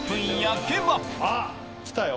来たよ。